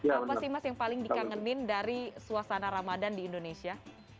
apa sih mas yang paling dikangenin dari suasana ramadan di indonesia